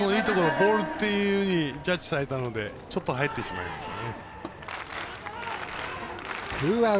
ボールっていうふうにジャッジされたのでちょっと入ってしまいましたね。